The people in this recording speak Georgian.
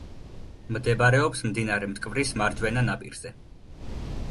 მდებარეობს მდინარე მტკვრის მარჯვენა ნაპირზე.